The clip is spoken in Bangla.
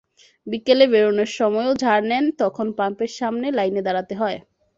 বিকেলে বেরোনোর সময়ও জার নেন, তখন পাম্পের সামনে লাইনে দাঁড়াতে হয়।